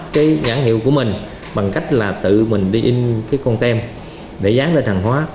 cái nhãn hiệu của mình bằng cách là tự mình đi in cái con tem để dán lên